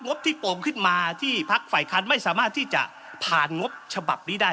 บที่โป่งขึ้นมาที่พักฝ่ายค้านไม่สามารถที่จะผ่านงบฉบับนี้ได้